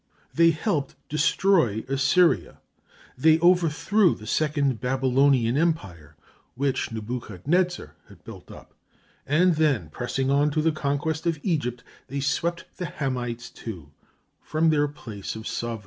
They helped destroy Assyria, they overthrew the second Babylonian empire which Nebuchadnezzar had built up, and then, pressing on to the conquest of Egypt, they swept the Hamites too from their place of sovereignty.